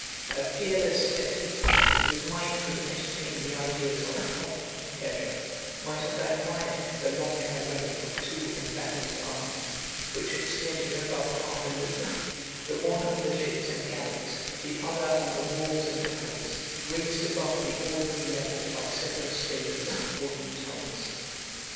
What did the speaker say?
A fearless spectator, whose mind could entertain the ideas of pomp and pleasure, might have admired the long array of two embattled armies, which extended above half a league, the one on the ships and galleys, the other on the walls and towers raised above the ordinary level by several stages of wooden turrets.